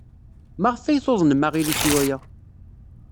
Maɣef ay tuḍnem aɣilif i waya?